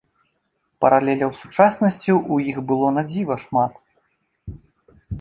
Паралеляў з сучаснасцю ў іх было надзіва шмат.